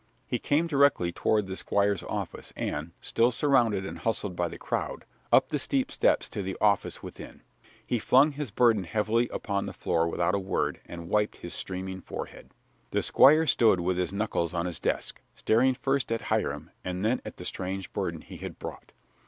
He came directly toward the Squire's office and, still surrounded and hustled by the crowd, up the steep steps to the office within. He flung his burden heavily upon the floor without a word and wiped his streaming forehead. The Squire stood with his knuckles on his desk, staring first at Hiram and then at the strange burden he had brought.